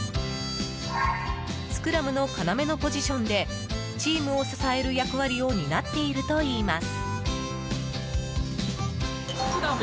スクラムの要のポジションでチームを支える役割を担っているといいます。